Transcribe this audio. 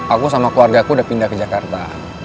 aku sama keluarga aku udah pindah ke jakarta